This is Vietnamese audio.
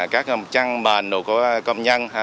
các trang bền công nhân